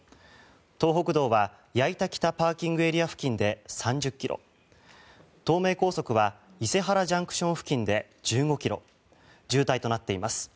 東北道は矢板北ＰＡ付近で３０ｋｍ東名高速は伊勢原ＪＣＴ付近で１５ｋｍ渋滞となっています。